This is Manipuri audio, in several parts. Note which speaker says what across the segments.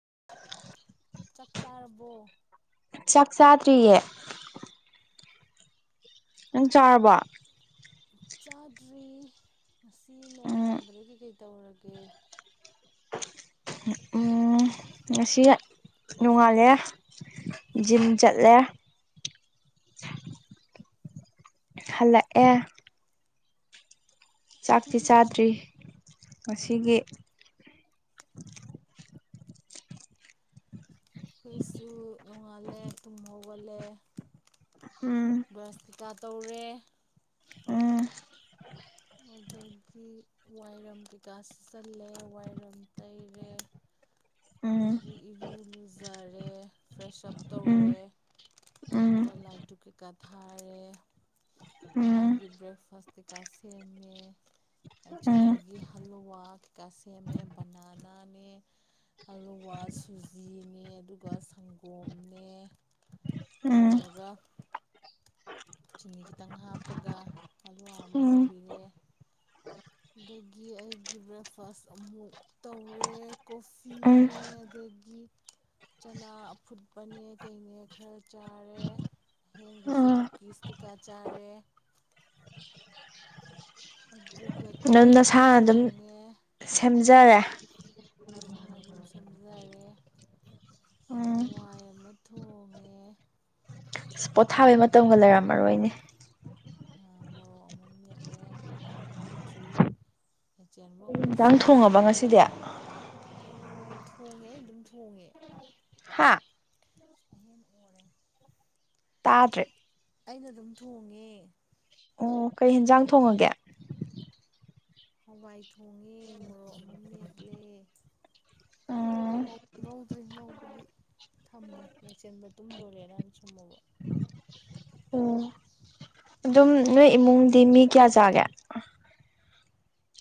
Speaker 1: [inaudible]
Speaker 2: ꯆꯥꯛ ꯆꯥꯔꯕꯣ
Speaker 1: ꯆꯥꯛ ꯆꯥꯗ꯭ꯔꯤꯌꯦ ꯅꯪ ꯆꯥꯔꯕ
Speaker 2: ꯆꯥꯗ꯭ꯔꯤ ꯉꯁꯤ
Speaker 1: ꯎꯝ
Speaker 2: ꯅꯣꯡꯉꯥꯟꯕꯗꯒꯤ ꯀꯩ ꯇꯧꯔꯒꯦ
Speaker 1: ꯑꯣ ꯉꯁꯤ ꯅꯨꯡꯉꯥꯜꯂꯦ ꯖꯤꯝ ꯆꯠꯂꯦ ꯍꯜꯂꯛꯑꯦ ꯆꯥꯛꯇꯤ ꯆꯥꯗ꯭ꯔꯤ ꯉꯁꯤꯒꯤ
Speaker 2: ꯑꯩꯈꯩꯁꯨ ꯅꯣꯡꯉꯥꯜꯂꯦ ꯇꯨꯝꯍꯧꯒꯂꯦ
Speaker 1: ꯎꯝ
Speaker 2: ꯕ꯭ꯔꯁ ꯀꯤꯀꯥ ꯇꯧꯔꯦ
Speaker 1: ꯎꯝ
Speaker 2: ꯑꯗꯨꯗꯒꯤ ꯋꯥꯏꯔꯝ ꯀꯩꯀꯥ ꯁꯤ ꯆꯜꯂꯦ ꯋꯥꯏꯔꯝ ꯇꯩꯔꯦ
Speaker 1: [unintelligible]
Speaker 2: ꯑꯗꯒꯤ ꯏꯔꯨ ꯂꯨꯖꯔꯦ ꯐ꯭ꯔꯦꯁ ꯎꯞ
Speaker 1: ꯎꯝ
Speaker 2: ꯇꯧꯔꯦ
Speaker 1: ꯎꯝ
Speaker 2: ꯑꯗꯨꯒ ꯂꯥꯏꯛꯇꯨ ꯀꯩꯀꯥ ꯊꯥꯔꯦ
Speaker 1: ꯎꯝ
Speaker 2: ꯑꯉꯥꯡꯒꯤ ꯕ꯭ꯔꯦꯛꯐꯥꯁ ꯀꯩꯀꯥ ꯁꯦꯝꯃꯦ
Speaker 1: ꯎꯝ
Speaker 2: ꯆꯦꯟꯕꯒꯤ ꯍꯜꯂꯨꯋꯥ ꯀꯩꯀꯥ ꯁꯦꯝꯃꯦ ꯕꯅꯥꯅꯥꯅꯦ ꯍꯂꯨꯋꯥ ꯁꯨꯖꯤꯅꯦ ꯑꯗꯨꯒ ꯁꯪꯒꯣꯝꯅꯦ
Speaker 1: ꯎꯝ ꯎꯝ
Speaker 2: ꯇꯧꯔꯒ ꯆꯤꯅꯤ ꯈꯤꯇꯪ ꯍꯥꯞꯄꯒ ꯑ ꯑ ꯑꯃ
Speaker 1: ꯎꯝ
Speaker 2: ꯍꯧꯕꯤꯔꯦ ꯑꯗꯒꯤ ꯑꯩꯒꯤ ꯕ꯭ꯔꯦꯛꯐꯥꯁ ꯑꯃꯨꯛ ꯇꯧꯔꯦ ꯀꯣꯐꯤꯅꯦ ꯑꯩ ꯑꯗꯒꯤ ꯆꯅꯥ ꯑꯐꯨꯠꯄꯅꯦ ꯀꯩꯅꯦ ꯈꯔ ꯆꯥꯔꯦ ꯍꯌꯦꯦꯟꯒꯤꯁꯨ
Speaker 1: ꯎꯝ
Speaker 2: ꯀꯨꯀꯤꯁ ꯀꯩꯀꯥ ꯆꯥꯔꯦ ꯑꯗꯨ
Speaker 1: ꯑꯗꯨꯝ ꯅꯁꯥꯅ ꯑꯗꯨꯝ ꯁꯦꯝꯖꯔꯦ
Speaker 2: ꯁꯥ ꯑꯗꯨꯝ ꯁꯦꯝꯖꯔꯦ
Speaker 1: ꯎꯝ
Speaker 2: ꯍꯋꯥꯏ ꯑꯃ ꯊꯣꯡꯉꯦ
Speaker 1: ꯑꯁ ꯄꯣꯊꯥꯕꯩ ꯃꯇꯝꯒ ꯂꯩꯔꯝꯃꯔꯣꯏꯅꯦ
Speaker 2: ꯃꯣꯔꯣꯛ ꯑꯃꯝ ꯌꯦꯠꯂꯦ ꯀꯥꯡꯉꯧ ꯉꯧꯗ꯭ꯔꯤ ꯆꯦꯟꯕ ꯑꯃꯨꯛ
Speaker 1: ꯌꯦꯟꯖꯥꯡ ꯊꯣꯡꯉꯕ
Speaker 2: ꯁꯨꯝꯈ꯭ꯔꯦ
Speaker 1: ꯉꯁꯤꯗꯤ
Speaker 2: ꯊꯣꯡꯉꯦ ꯑꯗꯨꯝ ꯊꯣꯡꯉꯦ
Speaker 1: ꯍꯥ
Speaker 2: ꯑꯍ ꯑꯣꯏꯔꯦ
Speaker 1: ꯇꯥꯗ꯭ꯔꯦ
Speaker 2: ꯑꯩꯅ ꯑꯗꯨꯝ ꯊꯣꯡꯉꯦ
Speaker 1: ꯑꯣ ꯀꯩ ꯌꯦꯟꯖꯥꯡ ꯊꯣꯡꯉꯒꯦ
Speaker 2: ꯍꯋꯥꯏ ꯊꯣꯡꯉꯦ ꯃꯣꯔꯣꯛ ꯑꯃꯃꯝ ꯃꯦꯠꯂꯦ
Speaker 1: ꯎꯝ
Speaker 2: ꯉꯧ ꯉꯧꯗ꯭ꯔꯤ ꯉꯧꯕꯒꯤ ꯊꯝꯃꯤ ꯌꯥꯏꯁꯟꯕ ꯇꯨꯝꯗꯣꯔꯦꯅꯅ ꯁꯨꯝꯃꯨꯕ
Speaker 1: ꯎꯝ ꯑꯗꯨꯝ ꯅꯣꯏ ꯏꯃꯨꯡꯗꯤ ꯃꯤ ꯀꯌꯥ ꯆꯥꯒꯦ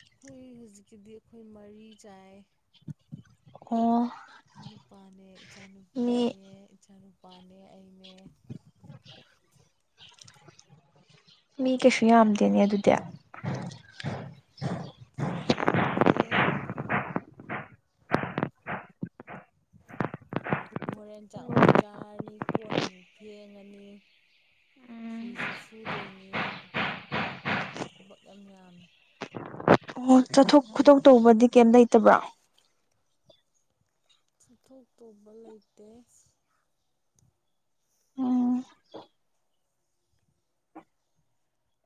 Speaker 2: ꯑꯩꯈꯣꯏ ꯍꯧꯖꯤꯛꯀꯤꯗꯤ ꯑꯩꯈꯣꯏ ꯃꯔꯤ ꯆꯥꯏ
Speaker 1: ꯑꯣ
Speaker 2: ꯑꯩ ꯅꯨꯄꯥꯅꯦ
Speaker 1: ꯃꯤ
Speaker 2: ꯏꯆꯥꯅꯨꯄꯤꯅꯦ ꯏꯆꯥꯅꯨꯄꯥꯅꯦ ꯑꯩꯅꯦ
Speaker 1: [inaudible] ꯃꯤ ꯀꯩꯁꯨ ꯌꯥꯝꯗꯦꯅꯦ ꯑꯗꯨꯗꯤ
Speaker 2: ꯌꯥꯝꯗꯦ
Speaker 1: [inaudible]
Speaker 2: ꯍꯣꯔꯦꯟ ꯆꯥꯛ ꯑꯃꯨꯛ ꯆꯥꯔꯅꯤ ꯀꯣꯟ ꯑꯃꯨꯛ ꯐꯦꯡꯉꯅꯤ ꯐꯤꯁꯨ ꯁꯨꯗꯣꯏꯅꯤ ꯊꯕꯛ ꯌꯥꯝ ꯌꯥꯝꯃꯤ
Speaker 1: ꯑꯣ ꯆꯠꯊꯣꯛ ꯈꯨꯣꯇꯣꯛ ꯇꯧꯕꯗꯤ ꯀꯩꯝ ꯂꯩꯇꯕ꯭ꯔꯥ
Speaker 2: ꯆꯠꯊꯣꯛ ꯇꯧꯕ ꯂꯩꯇꯦ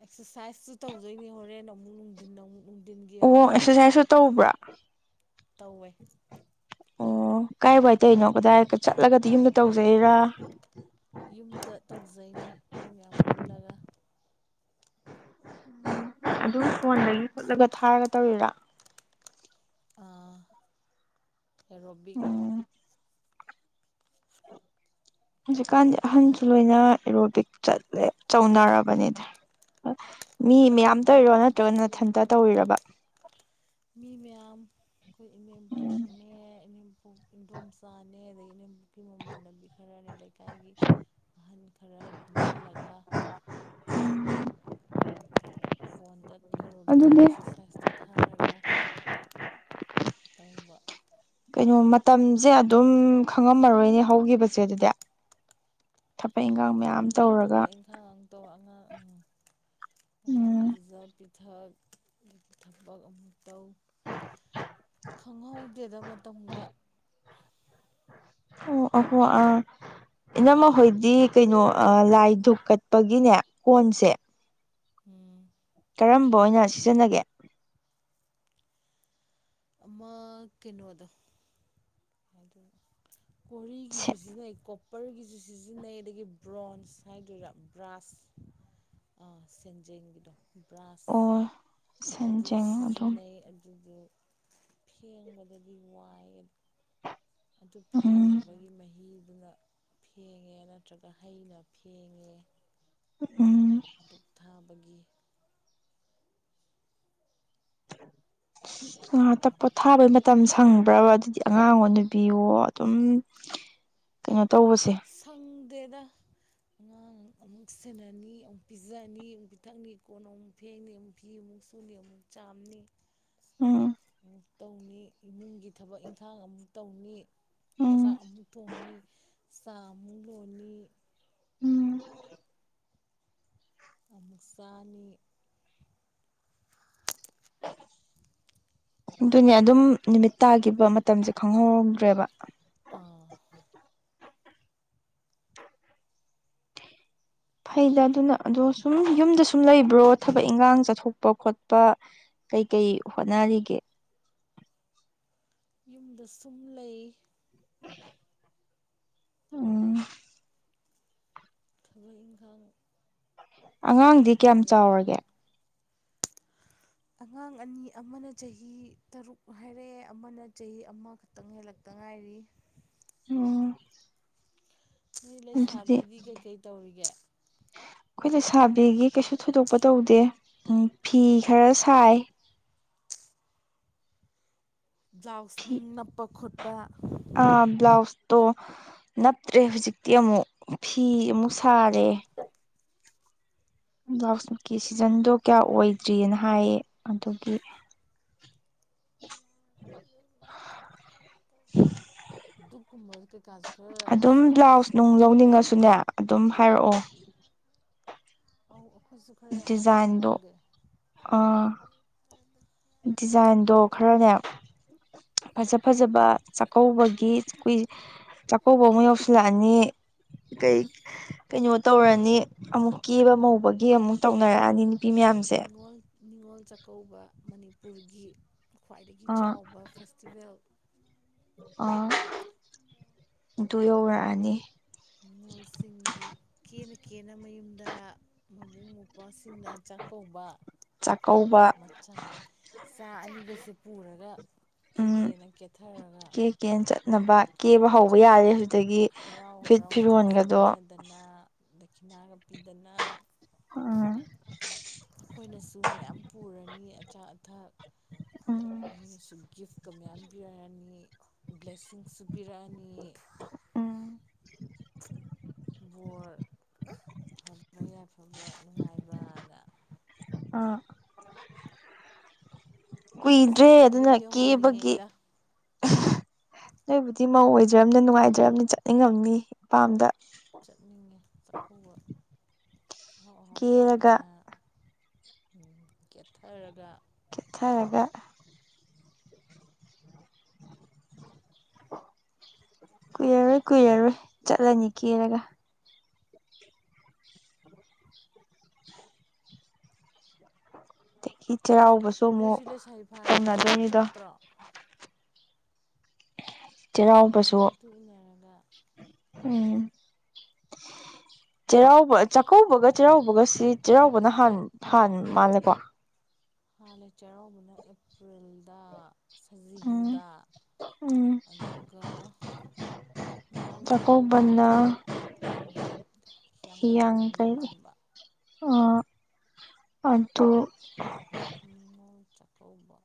Speaker 2: ꯑꯦꯛꯁꯔꯁꯥꯏꯁꯁꯨ ꯇꯧꯗꯣꯏꯅꯤ ꯍꯣꯔꯦꯟ ꯅ ꯑꯃꯨꯛ ꯅꯨꯡꯊꯤꯟ ꯅ ꯑꯃꯨꯛ ꯅꯨꯡꯊ
Speaker 1: ꯑꯣ ꯑꯦꯛꯁꯔꯁꯥꯏꯁꯁꯨ ꯇꯧꯕ꯭ꯔꯥ
Speaker 2: ꯇꯧꯋꯏ
Speaker 1: ꯑꯣ ꯀꯥꯏ ꯋꯥꯏ ꯇꯅꯣ ꯀꯗꯥꯏ ꯆꯠꯂꯒꯗꯤ ꯌꯨꯝꯗ ꯇꯧꯖꯩꯔ
Speaker 2: ꯌꯨꯝꯗ ꯇꯧꯖꯩꯅꯦ ꯃꯤ ꯃꯌꯥꯝ ꯄꯨꯜꯂꯒ
Speaker 1: ꯑꯗꯨꯝ ꯐꯣꯟꯗꯒꯤ ꯈꯣꯠꯂꯒ ꯊꯥꯔꯒ ꯇꯧꯔꯤꯔꯥ
Speaker 2: ꯔꯣꯕꯤ
Speaker 1: ꯎ ꯍꯧꯖꯤꯛꯀꯥꯟꯗꯤ ꯑꯍꯟꯁꯨ ꯂꯣꯏꯅ ꯑꯦꯔꯣꯕꯤꯛ ꯆꯠꯂꯦ ꯆꯧꯅꯔꯕꯅꯤꯗ ꯃꯤ ꯃꯌꯥꯝ ꯇꯧꯔꯣ
Speaker 2: ꯑꯍꯟꯁꯨ
Speaker 1: ꯅꯠꯇ꯭ꯔꯒꯅꯊꯟꯇ ꯇꯧꯔꯕ
Speaker 2: ꯃꯤ ꯃꯌꯥꯝ ꯑꯩꯈꯣꯏ
Speaker 1: ꯎꯝ
Speaker 2: ꯏꯅꯦꯝꯄꯣꯛꯅꯦ ꯏꯅꯦꯝꯄꯣꯛ ꯏꯗꯣꯝꯆꯥꯅꯦ ꯑꯗꯗꯒꯤ ꯃꯃꯥꯟꯅꯕꯤ ꯈꯔꯅꯦ ꯂꯩꯀꯥꯏꯒꯤ ꯑꯍꯜ ꯈꯔ ꯄꯨꯟꯁꯤꯜꯂꯒ ꯐꯣꯟꯗ ꯑꯦꯔꯣꯕꯤꯛ
Speaker 1: ꯑꯗꯨꯗꯤ
Speaker 2: ꯑꯦꯛꯁꯔꯁꯥꯏꯁꯇꯣ ꯊꯥꯔꯒ ꯇꯧꯕ
Speaker 1: ꯀꯩꯅꯣ ꯃꯇꯝꯁꯦ ꯑꯗꯨꯝ ꯈꯪꯉꯝꯃꯔꯣꯏꯅꯦ ꯍꯧꯈꯤꯕꯁꯦ ꯑꯗꯨꯗꯤ ꯊ
Speaker 2: ꯈꯪꯗꯦ ꯊꯕꯛ ꯏꯪꯈꯥꯡ ꯑꯇꯧꯕ ꯑꯉꯥꯡ ꯑꯉꯥꯡ
Speaker 1: ꯎꯝ
Speaker 2: ꯄꯤꯖ ꯊꯛꯕ ꯑꯃꯨꯛ ꯇꯧ ꯈꯪꯍꯧꯗꯦꯗ ꯃꯇꯝꯒ
Speaker 1: ꯑꯀꯣ ꯏꯅ ꯃꯈꯣꯏꯗꯤ ꯀꯩꯅꯣ ꯂꯥꯏꯙꯨ ꯀꯠꯄꯒꯤꯅꯦ ꯀꯣꯟꯁꯦ
Speaker 2: ꯎꯝ
Speaker 1: ꯀꯔꯝꯕ ꯑꯣꯏꯅ ꯁꯤꯖꯤꯟꯅꯒꯦ
Speaker 2: ꯑꯃ ꯀꯩꯅꯣꯗꯣ ꯔꯤꯒꯤꯁꯨ ꯁꯤꯖꯤꯟꯅꯩ ꯀꯣ ꯀꯄꯔꯒꯤꯁꯨ ꯁꯤꯖꯤꯟꯅꯩ ꯑꯗꯒꯤ ꯕ꯭ꯔꯣꯟꯖ ꯍꯥꯏꯗꯣꯏꯔꯥ ꯕ꯭ꯔꯥꯁ ꯑ ꯁꯤꯖꯦꯗꯣ ꯕ꯭ꯔꯥꯁ
Speaker 1: ꯑꯣ
Speaker 2: ꯑꯗꯨ
Speaker 1: ꯁꯦꯟꯖꯦꯡ ꯑꯗꯨꯝ
Speaker 2: ꯁꯤꯖꯤꯟꯅꯩ ꯑꯗꯨꯗꯨ ꯐꯦꯡꯕꯗꯗꯤ ꯋꯥꯏꯑ ꯑꯗꯨ
Speaker 1: ꯎꯝ
Speaker 2: ꯐꯦꯡꯅꯕꯒꯤ ꯃꯍꯤ ꯑꯗꯨꯅ ꯐꯦꯡꯉꯦ ꯅꯠꯇ꯭ꯔꯒ ꯍꯩꯅ ꯐꯦꯡꯉꯦ
Speaker 1: ꯎꯝ
Speaker 2: ꯨꯞ ꯊꯥꯕꯒꯤ
Speaker 1: [inaudible] ꯉꯥꯛꯇ ꯄꯣꯊꯥꯕꯩ ꯃꯇꯝ ꯁꯪꯕ꯭ꯔꯕ ꯑꯗꯨꯗꯤ ꯑꯉꯥꯡ ꯑꯣ ꯅꯨꯕꯤꯌꯣ ꯑꯗꯨꯝ ꯀꯩꯅꯣ ꯇꯧꯕꯁꯦ
Speaker 2: ꯗꯦꯗ ꯑꯉꯥꯡ ꯑꯃꯨꯛ ꯁꯦꯟꯅꯅꯤ ꯑꯃꯨꯛ ꯄꯤꯖꯑꯅꯤ ꯑꯃꯨꯛ ꯄꯤꯊꯛꯅꯤ ꯀꯣꯟ ꯑꯃꯨꯛ ꯐꯦꯡꯅꯤ ꯑꯃꯨꯛ ꯐꯤ ꯑꯃꯨꯛ ꯃꯨꯁꯨꯨꯅꯤ ꯑꯃꯨꯛ ꯆꯥꯝꯅꯤ
Speaker 1: ꯎꯝ
Speaker 2: ꯑꯃꯨ ꯇꯧꯅꯤ ꯏꯃꯨꯡꯒꯤ ꯊꯕꯛ ꯏꯪꯈꯥꯡ ꯑꯃꯨꯛ ꯇꯧꯅꯤ
Speaker 1: ꯎꯝ
Speaker 2: ꯆꯥꯛ ꯑꯃꯨꯛ ꯊꯣꯡꯉꯤ ꯁꯥ ꯑꯃꯨꯛ ꯂꯣꯜꯂꯤ
Speaker 1: ꯎꯝ
Speaker 2: ꯅꯨꯁꯅꯤ
Speaker 1: [unintelligible] ꯑꯗꯨꯅꯦ ꯑꯗꯨꯝ ꯅꯨꯃꯤꯠ ꯇꯥꯒꯤꯈꯤꯕ ꯃꯇꯝꯁꯦ ꯈꯪꯍꯧꯔꯧꯗ꯭ꯔꯦꯕ
Speaker 2: ꯑꯥ
Speaker 1: ꯐꯩꯗ ꯑꯗꯨꯅ ꯑꯗꯣ ꯁꯨꯝ ꯌꯨꯝꯗ ꯁꯨꯝ ꯂꯩꯕ꯭ꯔꯣ ꯊꯕꯛ ꯏꯟꯈꯥꯡ ꯆꯠꯊꯣꯛꯄ ꯈꯣꯠꯄ ꯀꯩ ꯀꯩ ꯍꯣꯠꯅꯔꯤꯒꯦ
Speaker 2: ꯌꯨꯝꯗ ꯁꯨꯝ ꯂꯩ
Speaker 1: ꯎꯝ
Speaker 2: ꯊꯕ ꯏꯪꯈ
Speaker 1: ꯑꯉꯥꯡꯗꯤ ꯀꯌꯥꯝ ꯆꯥꯎꯔꯒꯦ
Speaker 2: ꯑꯉꯥꯡ ꯑꯅꯤ ꯑꯃꯅ ꯆꯍꯤ ꯇꯔꯨꯛ ꯍꯥꯏꯔꯛꯑꯦ ꯑꯃꯅ ꯆꯍꯤ ꯑꯃꯈꯛꯇꯪ ꯍꯦꯜꯂꯛꯇꯕ
Speaker 1: ꯑꯣ
Speaker 2: ꯃꯤ ꯂꯩꯁꯥꯕꯤꯗꯤ ꯀꯩꯀꯩ ꯇꯧꯔꯤꯒꯦ
Speaker 1: ꯑꯩꯈꯣꯏ ꯂꯩ ꯁꯥꯕꯤꯒꯤ ꯀꯩꯁꯨ ꯊꯣꯏꯗꯣꯛꯄ ꯇꯧꯗꯦ ꯎ ꯐꯤ ꯈꯔ ꯁꯥꯏ
Speaker 2: ꯖꯥꯎꯁ
Speaker 1: ꯐꯤ
Speaker 2: ꯅꯨꯡ ꯅꯞꯄ ꯈꯣꯠꯄ
Speaker 1: ꯇꯣ ꯅꯞꯇ꯭ꯔꯦ ꯍꯧꯖꯤꯛꯇꯤ ꯑꯃꯨꯛ ꯐꯤ ꯑꯃꯨꯛ ꯁꯥꯔꯦ ꯕ꯭ꯂꯥꯎꯁꯠꯀꯤ ꯁꯤꯖꯟꯗꯣ ꯀꯌꯥ ꯑꯣꯏꯗ꯭ꯔꯤꯑꯅ ꯍꯥꯏꯌꯦ ꯑꯗꯨꯒꯤ [unintelligible]
Speaker 2: ꯗꯨꯛꯀꯨꯝꯕ ꯀꯩꯀꯥꯁꯨ ꯈꯔ
Speaker 1: ꯑꯗꯨꯝ ꯕ꯭ꯂꯥꯎꯁ ꯅꯨꯡ
Speaker 2: ꯁꯥꯁꯤꯔꯅ
Speaker 1: ꯂꯧꯅꯤꯡꯉꯁꯨꯅꯦ ꯑꯗꯨꯝ ꯍꯥꯏꯔꯛꯑꯣ
Speaker 2: ꯑ
Speaker 1: ꯗꯤꯖꯥꯏꯟꯗꯣ ꯑ ꯗꯤꯖꯥꯏꯟꯗꯣ ꯈꯔꯅꯦ ꯐꯖ ꯐꯖꯕ ꯆꯥꯛꯀꯧꯕꯒꯤ ꯀꯏ ꯆꯥꯛꯀꯧꯕ ꯑꯃꯨ ꯌꯧꯁꯤꯜꯂꯛꯑꯅꯤ ꯀꯩ ꯀꯩꯅꯣ ꯇꯧꯔꯅꯤ ꯑꯃꯨꯛ ꯀꯦꯕ ꯉꯧꯕꯒꯤ ꯑꯃꯨꯛ ꯇꯧꯅꯔꯛꯑꯅꯤ ꯃꯌꯥꯝꯁꯦ
Speaker 2: ꯅꯤꯡꯉꯣꯜ ꯅꯤꯉꯣꯜ ꯆꯥꯛꯀꯧꯕ ꯃꯅꯤꯄꯨꯔꯒꯤ ꯈ꯭ꯋꯥꯏꯗꯒꯤ
Speaker 1: ꯑꯥ
Speaker 2: ꯆꯥꯎꯕ ꯐꯦꯁꯇꯤꯚꯦꯜ
Speaker 1: ꯑꯥ ꯑꯗꯨ ꯌꯧꯔꯛꯑꯅꯤ
Speaker 2: ꯅꯤꯉꯣꯜꯁꯤꯡꯒꯤ ꯗ ꯃꯃꯨꯡ ꯅꯨꯁꯤꯡꯅ ꯆꯥꯛꯀꯧꯕ
Speaker 1: ꯆꯥꯛꯀꯧꯕ
Speaker 2: ꯃꯆꯥ ꯆ ꯑꯅꯤꯒꯁꯦ ꯄꯨꯔꯒ ꯀꯦꯛꯀꯦꯅ ꯀꯦꯊꯔꯒ
Speaker 1: ꯆꯅꯕ ꯀꯦꯕ ꯍꯧꯕ
Speaker 2: ꯆꯥꯛ
Speaker 1: ꯌꯥꯔꯦ ꯑꯗꯨꯗꯒꯤ
Speaker 2: ꯍꯔꯥꯎ
Speaker 1: ꯐꯤꯠ
Speaker 2: ꯍꯔꯥꯎ
Speaker 1: ꯐꯤꯔꯣꯟꯒꯗꯣ
Speaker 2: ꯅꯥꯒꯞꯄꯤꯗꯅ
Speaker 1: ꯎꯝ
Speaker 2: ꯑꯩꯈꯣꯏꯅꯁꯨ ꯃꯌꯥꯝ ꯄꯨꯔꯅꯤ ꯑꯆꯥ ꯑꯊꯛ
Speaker 1: ꯎꯝ
Speaker 2: ꯃꯣꯏꯅꯁꯨ ꯒꯤꯐꯀ ꯃꯌꯥꯝ ꯄꯤꯔꯛꯑꯅꯤ ꯕ꯭ꯂꯦꯁꯤꯡꯁꯨ ꯄꯤꯔꯛꯑꯅꯤ
Speaker 1: ꯎꯝ
Speaker 2: ꯕꯣꯔ ꯐꯕ ꯌꯥꯏꯐꯕ ꯅꯨꯡꯉꯥꯏꯕꯗ
Speaker 1: ꯑ
Speaker 2: ꯑꯁ
Speaker 1: ꯀꯨꯏꯗ꯭ꯔꯦ
Speaker 2: ꯆꯥꯛꯀꯧꯕ
Speaker 1: ꯑꯗꯨꯅ
Speaker 2: ꯑꯗꯨꯝ ꯌꯧꯍꯟꯅꯤꯡꯉꯦ
Speaker 1: ꯀꯦꯕꯒꯤ
Speaker 2: ꯑꯩꯗ
Speaker 1: ꯂꯩꯕꯨꯗꯤ ꯃꯧꯑꯣ ꯑꯣꯏ ꯂꯩꯖꯝꯅꯤ ꯅꯨꯡꯉꯥꯏꯖꯝꯅꯤ ꯆꯠꯅꯤꯡꯉꯝꯅꯤ ꯏꯄꯥꯝꯗ
Speaker 2: ꯆꯠꯅꯤꯡꯉꯦ ꯆꯥꯛꯀꯧꯕ ꯑꯍꯥꯎ ꯑꯍꯥꯎ
Speaker 1: ꯀꯦꯔꯒ
Speaker 2: ꯆꯥꯗꯅ ꯀꯦꯠꯊꯔꯒ
Speaker 1: ꯀꯊꯥ ꯂꯕ ꯀꯨꯏꯔꯔꯣꯏ ꯀꯨꯏꯔꯔꯣꯏ ꯆꯠꯂꯅꯤ ꯀꯦꯔꯒ ꯑꯗꯒꯤ ꯆꯩꯔꯥꯎꯕꯁꯨ ꯑꯃꯨꯛ
Speaker 2: ꯅꯣꯏꯁꯨ ꯂꯩꯁꯥꯕꯤ ꯐꯥꯔꯁꯨ
Speaker 1: ꯇꯟꯅꯗꯣꯏꯅꯤꯗꯣ
Speaker 2: ꯆꯠꯇ꯭ꯔꯣ ꯃꯃꯥꯒꯤ ꯃꯇꯨꯡ ꯏꯟꯅꯔꯒ
Speaker 1: ꯎ ꯆꯩꯔꯥꯎꯕ ꯆꯥꯛꯀꯧꯕꯒ ꯆꯩꯔꯥꯎꯕꯒ ꯁꯤ ꯆꯩꯔꯥꯎꯕꯅꯥꯟ ꯍꯥꯟ ꯃꯥꯜꯂꯦꯀꯣ
Speaker 2: ꯍꯥ ꯂ ꯆꯔ ꯄꯨꯅ ꯑꯦꯄ꯭ꯔꯤꯜꯗ
Speaker 1: ꯎꯝ
Speaker 2: ꯁꯖꯤꯕꯨꯗ
Speaker 1: ꯎꯝ
Speaker 2: ꯑꯗꯨꯒ ꯃꯣꯜ ꯆꯀꯥꯎꯕꯅ
Speaker 1: ꯆꯥꯛꯀꯧꯕꯅ
Speaker 2: ꯍꯤꯌꯥꯡꯒꯩ ꯍꯤꯌꯥꯡꯒꯩꯒꯤ ꯅꯤꯅꯤ ꯄꯥꯟꯕ
Speaker 1: ꯑꯗꯨꯠꯇꯣ
Speaker 2: ꯅꯤꯡꯉꯣꯜ ꯆꯥꯛꯀꯧꯕ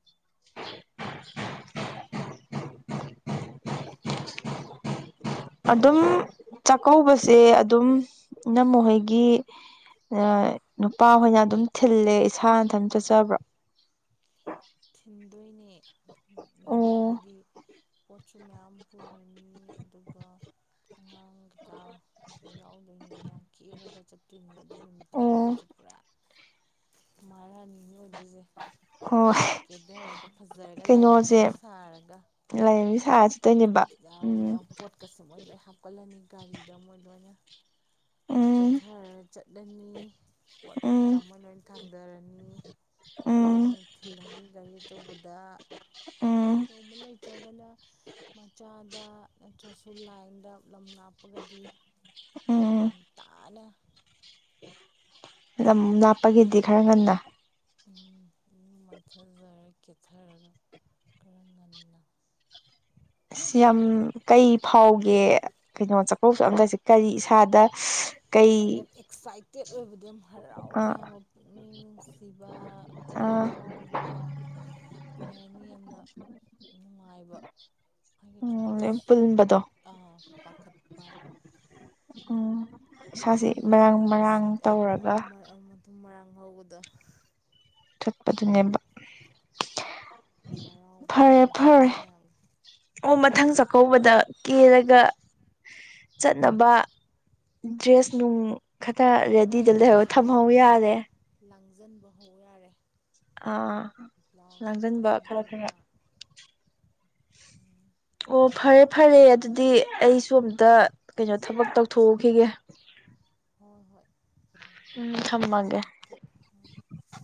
Speaker 1: [inaudible] [unintelligible] [unintelligible] ꯑꯗꯨꯝ ꯆꯥꯛꯀꯧꯕꯁꯦ ꯑꯗꯨꯝ ꯏꯝ ꯃꯈꯣꯏꯒꯤ ꯅꯨꯄꯥꯍꯣꯏꯅ ꯑꯗꯨꯝ ꯊꯤꯜꯂꯦ ꯏꯁꯥꯅ ꯑꯗꯨꯝ ꯆꯠꯆꯕ꯭ꯔꯥ
Speaker 2: ꯊꯤꯟꯗꯣꯏꯅꯦ
Speaker 1: ꯑꯣ
Speaker 2: ꯅꯨꯃꯤꯠꯇꯨꯒꯤꯗꯤ ꯄꯣꯠꯁꯨ ꯃꯌꯥꯝ ꯄꯨꯔꯅꯤ ꯑꯗꯨꯒ ꯑꯉꯥꯡꯒꯤꯀ ꯁꯨ ꯌꯥꯎꯗꯣꯏꯅꯤꯅ ꯀꯦꯔꯒ ꯆꯠꯇꯣꯏꯅꯤꯅ ꯑꯗꯨꯏ ꯅꯨꯃꯤꯠꯇꯨꯒꯤꯗꯤ
Speaker 1: ꯑꯣ
Speaker 2: ꯀꯩꯁꯨ ꯄꯨꯔꯥ ꯃꯥꯔꯥꯅꯤ
Speaker 1: ꯍ
Speaker 2: ꯀꯦꯊꯔꯒ ꯐꯖꯔꯒ ꯂꯥꯏꯔꯦꯝꯕꯤ ꯁꯥꯔꯒ
Speaker 1: ꯂꯥꯏꯔꯦꯝꯕꯤ ꯁꯥꯔ ꯆꯠꯇꯣꯏꯅꯦꯕ
Speaker 2: ꯑꯣꯏꯅ
Speaker 1: ꯎꯝ
Speaker 2: ꯄꯣꯠꯀꯁꯦ ꯃꯣꯏ ꯂꯣꯏ ꯍꯥꯞꯀꯠꯂꯅꯤ ꯒꯥꯔꯤꯗ ꯃꯣꯏ ꯂꯣꯏ ꯑꯩꯈꯣꯏ
Speaker 1: ꯎꯝ
Speaker 2: ꯀꯦꯊꯔ ꯆꯠꯂꯅꯤ ꯄꯣꯠ ꯀꯩꯀꯥ
Speaker 1: ꯎꯝ
Speaker 2: ꯃꯣꯏ ꯂꯣꯏ ꯊꯥꯡꯊꯔꯅꯤ
Speaker 1: ꯎꯝ
Speaker 2: ꯃꯣꯏꯅ ꯊꯤꯜꯂꯅꯤ ꯑꯩ ꯑꯆꯧꯕꯗ
Speaker 1: ꯎꯝ
Speaker 2: ꯑꯆꯧꯕ ꯂꯩꯇ꯭ꯔꯒꯅ ꯃꯆꯥ ꯑ ꯗ ꯅꯠꯇ꯭ꯔꯁꯨ ꯂꯥꯏꯟꯗ ꯂꯝꯂꯥꯞ ꯍꯥꯞꯄꯒꯗꯤ ꯉ
Speaker 1: ꯎꯝ
Speaker 2: ꯇꯥꯅ
Speaker 1: ꯂꯥꯞꯄꯒꯤꯗꯤ ꯈꯔ ꯉꯟꯅ
Speaker 2: ꯃꯥꯏꯊꯖꯔ ꯀꯦꯠꯊꯔꯒ ꯈꯔ ꯉꯟꯅ
Speaker 1: ꯑꯁ ꯌꯥꯝ ꯀꯩ ꯐꯥꯎꯒꯦ ꯀꯩꯅꯣ ꯆꯥꯛꯀꯧꯕ ꯆꯑꯝꯒꯁꯦ ꯀꯔꯤ ꯏꯁꯥꯗ ꯀꯩ
Speaker 2: ꯌꯥꯝ ꯑꯦꯛꯁꯥꯏꯇꯦꯠ ꯑꯣꯏꯕꯗ ꯌꯥꯝ ꯍꯔꯥꯎ ꯇꯌꯥꯝꯕ ꯄꯨꯛꯅꯤꯡ ꯅꯨꯡꯁꯤꯕ ꯍꯔꯥꯎꯕ ꯀꯩ ꯍꯥꯏꯅꯤ ꯌꯥꯝꯅ ꯅꯨꯡꯉꯥꯏꯕ ꯃꯥꯒꯤ ꯗ꯭ꯔꯦꯁ
Speaker 1: ꯄꯨꯟꯕꯗꯣ
Speaker 2: ꯑꯥ ꯄꯥꯈꯠꯄ
Speaker 1: ꯎꯝ ꯏꯁꯥꯁꯤ
Speaker 2: ꯑꯗꯨꯅꯦ
Speaker 1: ꯃꯔꯥꯡ ꯃꯔꯥꯡ
Speaker 2: ꯑꯦꯛꯁꯥꯏꯠ
Speaker 1: ꯇꯧꯔꯒ
Speaker 2: ꯑꯗꯨꯝ ꯃꯔꯥꯡ ꯍꯧꯕꯗꯣ
Speaker 1: ꯆꯠꯄꯗꯨꯅꯦꯕ
Speaker 2: ꯍꯔꯥꯎꯕ
Speaker 1: ꯐꯔꯦ ꯐꯔꯦ
Speaker 2: ꯏꯃꯣꯁꯟꯁ ꯃꯌꯥꯝ
Speaker 1: ꯑꯣ ꯃꯊꯪ ꯆꯥꯛꯀꯧꯕꯗ ꯀꯦꯜꯂꯒ ꯆꯠꯅꯕ ꯗ꯭ꯔꯦꯁ ꯅꯨꯡ ꯈꯇ
Speaker 2: ꯈꯤꯇꯪ
Speaker 1: ꯔꯦꯗꯤꯗ
Speaker 2: ꯉꯥꯏꯔꯦ
Speaker 1: ꯂꯩꯔꯣ ꯊꯝꯍꯧ ꯌꯥꯔꯦ
Speaker 2: ꯐꯥꯖꯤꯟꯕ ꯍꯧ ꯌꯥꯔꯦ
Speaker 1: ꯑꯥ
Speaker 2: ꯕ꯭ꯂꯥꯎꯁ ꯅꯨꯡ
Speaker 1: ꯂꯥꯡꯁꯤꯟꯕ
Speaker 2: ꯁꯅꯥ
Speaker 1: ꯈꯔ ꯈꯔ
Speaker 2: ꯂꯨꯄꯥ
Speaker 1: [inaudible] ꯑꯣ ꯐꯔꯦ ꯐꯔꯦ ꯑꯗꯨꯗꯤ ꯑꯩꯁꯨ ꯑꯝꯇ ꯀꯩꯅꯣ ꯊꯕꯛ ꯇꯧꯊꯣꯛꯎꯈꯤꯒꯦ
Speaker 2: ꯍꯣꯏ ꯍꯣꯏ
Speaker 1: ꯎꯝ ꯊꯝꯃꯒꯦ
Speaker 2: ꯊꯝꯃꯣ ꯊꯝꯃꯣ
Speaker 1: [inaudible]